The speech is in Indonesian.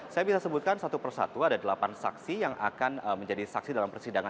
saya bisa sebutkan satu persatu ada delapan saksi yang akan menjadi saksi dalam persidangan